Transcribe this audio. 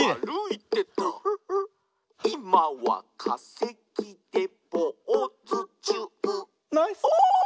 「いまはかせきでポーズちゅう」